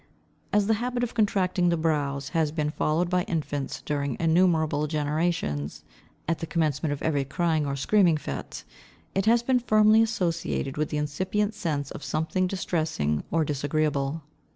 As the habit of contracting the brows has been followed by infants during innumerable generations, at the commencement of every crying or screaming fit, it has become firmly associated with the incipient sense of something distressing or disagreeable.